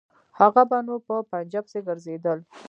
هغه به نو په پنجه پسې ځړېدل.